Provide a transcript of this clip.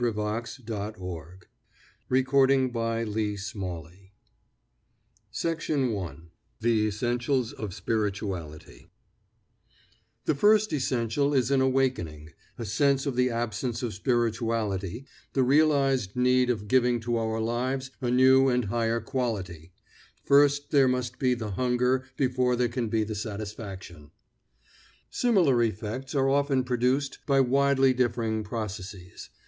Alexander THE ESSENTIALS OF SPIRITUALITY by Felix Adler The Essentials of Spirituality The first essential is an awakening, a sense of the absence of spirituality, the realized need of giving to our lives a new and higher quality; first there must be the hunger before there can be the satisfaction. Similar effects are often produced by widely differing processes.